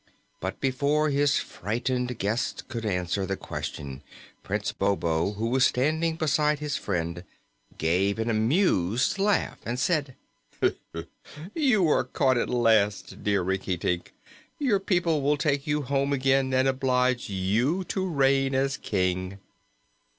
But before his frightened guest could answer the question Prince Bobo, who was standing beside his friend, gave an amused laugh and said: "You are caught at last, dear Rinkitink. Your people will take you home again and oblige you to reign as King."